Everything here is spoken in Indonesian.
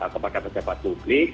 kepada pejabat publik